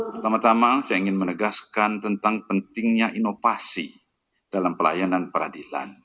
pertama tama saya ingin menegaskan tentang pentingnya inovasi dalam pelayanan peradilan